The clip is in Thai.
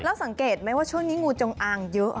แล้วสังเกตไหมว่าช่วงนี้งูจงอางเยอะ